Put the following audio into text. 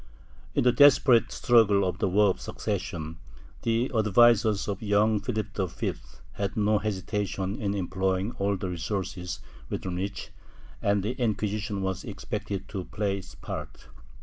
In the desperate struggle of the ^YaY of Succession, tlie advisers of the young Philip V had no hesitation in employing all the resources within reach and the Inquisition was expected to play its part.